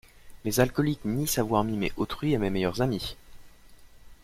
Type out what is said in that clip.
Les alcooliques nient savoir mimer autrui à mes meilleurs amis!